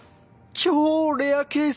・「超レアケース！」